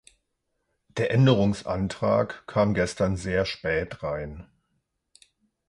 Der Änderungsantrag kam gestern sehr spät rein.